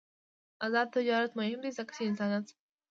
آزاد تجارت مهم دی ځکه چې انسانیت ساتي.